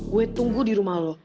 gue tunggu di rumah lo